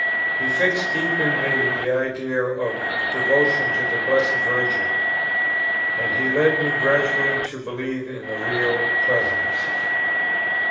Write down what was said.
He fixed deep in me the idea of devotion to the Blessed Virgin, and he led me gradually to believe in the Real Presence.